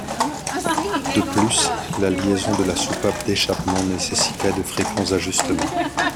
De plus la liaison de la soupape d’échappement nécessitait de fréquents ajustements.